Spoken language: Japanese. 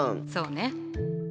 そうね。